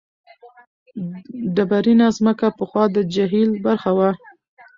ډبرینه ځمکه پخوا د جهیل برخه وه.